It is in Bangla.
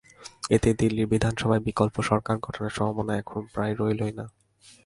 এতে দিল্লির বিধানসভায় বিকল্প সরকার গঠনের সম্ভাবনা এখন প্রায় রইলই না।